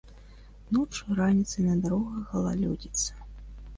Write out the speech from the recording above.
Ноччу і раніцай на дарогах галалёдзіца.